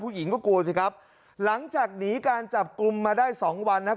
ผู้หญิงก็กลัวสิครับหลังจากหนีการจับกลุ่มมาได้สองวันนะครับ